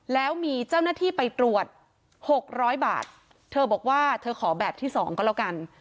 แล้วมีเจ้าหน้าที่ไปตรวจหกร้อยบาทเธอบอกว่าเธอขอแบบที่สองก็แล้วกัน